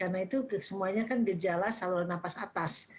karena itu semuanya kan gejala saluran nafas atas